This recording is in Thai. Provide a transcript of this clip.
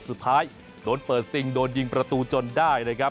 สุดท้ายโดนเปิดซิงโดนยิงประตูจนได้นะครับ